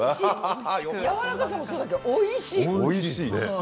おいしいね！